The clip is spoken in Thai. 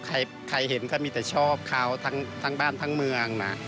ใครเห็นก็มีแต่ชอบเขาทั้งบ้านทั้งเมืองนะ